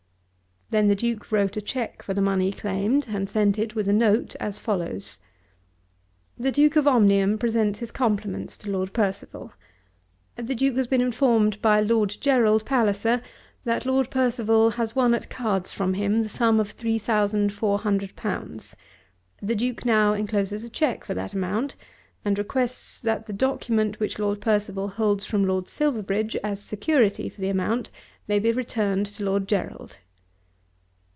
Then the Duke wrote a cheque for the money claimed and sent it with a note, as follows: "The Duke of Omnium presents his compliments to Lord Percival. The Duke has been informed by Lord Gerald Palliser that Lord Percival has won at cards from him the sum of three thousand four hundred pounds. The Duke now encloses a cheque for that amount, and requests that the document which Lord Percival holds from Lord Silverbridge as security for the amount, may be returned to Lord Gerald."